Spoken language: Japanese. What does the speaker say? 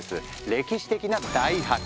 歴史的な大発見！